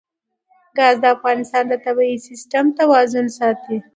ګاز د افغانستان د طبعي سیسټم توازن ساتي.